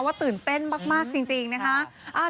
ตื่นเต้นมากจริงนะคะ